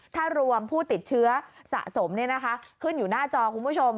ถ้ารวมผู้ติดเชื้อสะสมขึ้นอยู่หน้าจอคุณผู้ชม